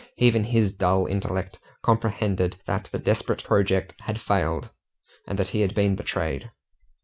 Even his dull intellect comprehended that the desperate project had failed, and that he had been betrayed.